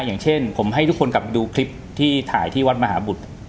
อย่างเช่นผมให้ทุกคนกลับดูคลิปที่ถ่ายที่วัดมหาบุตร